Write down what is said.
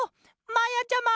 まやちゃま！